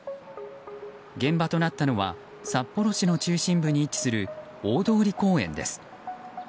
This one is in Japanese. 現場となったのは札幌市の中心部に位置する大通公園です。